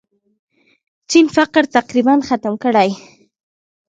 چین فقر تقریباً ختم کړ.